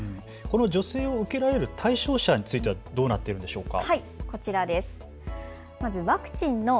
この助成を受けられる対象者についてはどうなっているんでしょうか。